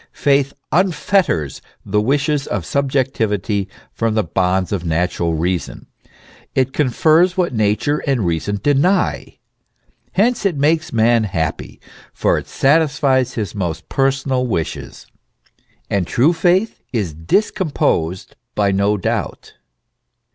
Faith unfetters the wishes of subjectivity from the bonds of natural reason ; it confers what nature and reason deny ; hence it makes man happy, for it satisfies his most personal wishes. And true faith is discomposed by no doubt.